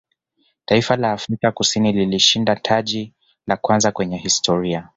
taifa la afrika Kusini lilishinda taji la kwanza kwenye historia